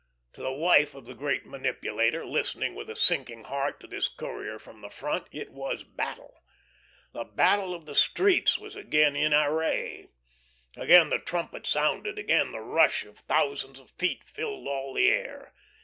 To the wife of the great manipulator, listening with a sinking heart to this courier from the front, it was battle. The Battle of the Streets was again in array. Again the trumpet sounded, again the rush of thousands of feet filled all the air.